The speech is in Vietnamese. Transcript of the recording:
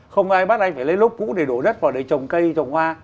không ai bắt anh phải lấy lốp cũ để đổ đất vào để trồng cây trồng hoa